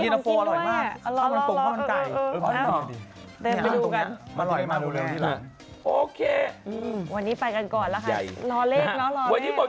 รอเลขรอเลขรอเลข